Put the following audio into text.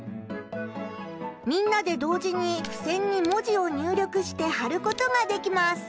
みんなで同時にふせんに文字を入力してはることができます。